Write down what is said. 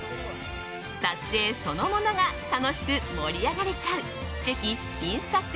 撮影そのものが楽しく盛り上がれちゃう“チェキ”